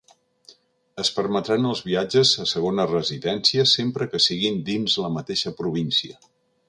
Es permetran els viatges a segones residències sempre que siguin dins la mateixa província.